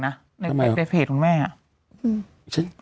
ในเฟสของคุณแม่อะ